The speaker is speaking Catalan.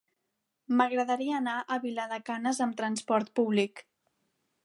M'agradaria anar a Vilar de Canes amb transport públic.